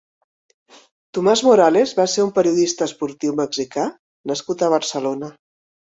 Tomás Morales va ser un periodista esportiu mexicà nascut a Barcelona.